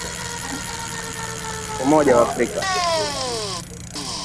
Umoja wa Afrika